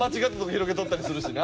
広げとったりするしな。